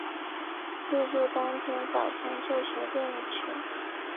入住当天早餐就随便你吃